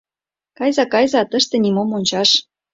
Кайза, кайза, тыште нимом ончаш.